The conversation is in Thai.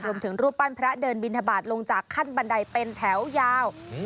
รูปปั้นพระเดินบินทบาทลงจากขั้นบันไดเป็นแถวยาว